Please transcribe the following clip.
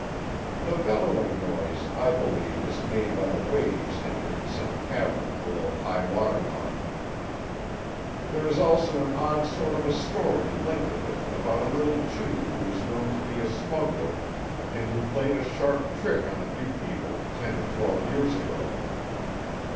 The bellowing noise, I believe, is made by the waves entering some cavern below high water mark. There is also an odd sort of a story linked with it about a little Jew who was known to be a smuggler and who played a sharp trick on a few people ten or twelve years ago.